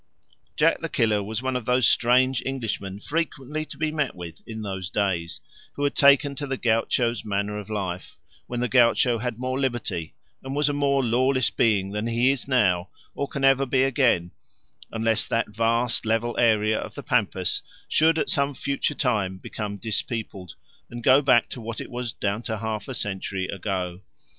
Jack the Killer was one of those strange Englishmen frequently to be met with in those days, who had taken to the gaucho's manner of life, when the gaucho had more liberty and was a more lawless being than he is now or can ever be again, unless that vast level area of the pampas should at some future time become dispeopled and go back to what it was down to half a century ago.